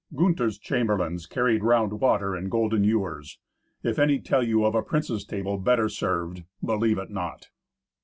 Gunther's chamberlains carried round water in golden ewers. If any tell you of a prince's table better served, believe it not.